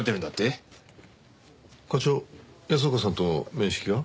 課長安岡さんと面識が？